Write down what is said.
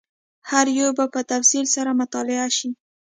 هر یو به په تفصیل سره مطالعه شي.